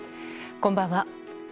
こんばんは。